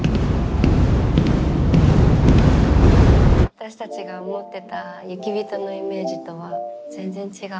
私たちが思ってた雪人のイメージとは全然違う。